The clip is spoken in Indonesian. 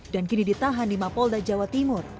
dan kini ditahan di mapolda jawa timur